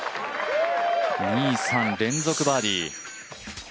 ２、３連続バーディー。